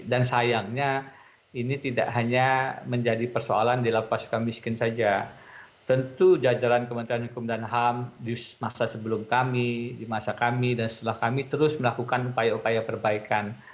dan sayangnya ini tidak hanya menjadi persoalan di kla pas suka miskin saja tentu jajaran kementerian hukum dan ham di masa sebelum kami di masa kami dan setelah kami terus melakukan upaya upaya perbaikan